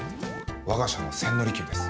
我が社の千利休です。